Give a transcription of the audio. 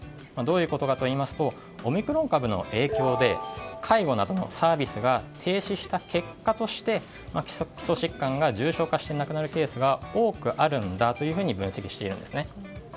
どういうことかといいますとオミクロン株の影響で介護などのサービスが停止した結果として基礎疾患が重症化して亡くなるケースが多くあるんだと分析しているんですね。